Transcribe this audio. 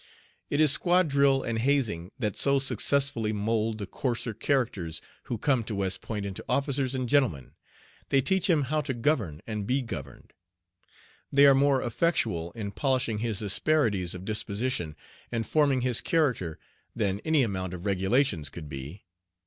It is squad drill and hazing that so successfully mould the coarser characters who come to West Point into officers and gentlemen. They teach him how to govern and be governed. They are more effectual in polishing his asperities of disposition and forming his character than any amount of regulations could be.